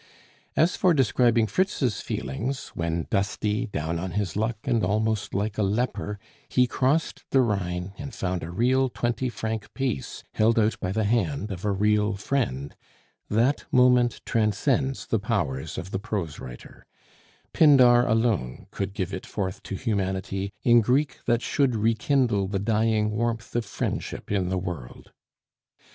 As for describing Fritz's feelings, when dusty, down on his luck, and almost like a leper, he crossed the Rhine and found a real twenty franc piece held out by the hand of a real friend, that moment transcends the powers of the prose writer; Pindar alone could give it forth to humanity in Greek that should rekindle the dying warmth of friendship in the world.